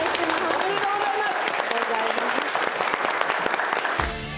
ありがとうございます。